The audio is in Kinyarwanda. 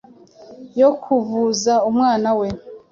yo kuvuza umwana we